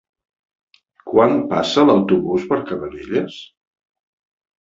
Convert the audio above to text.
Quan passa l'autobús per Cabanelles?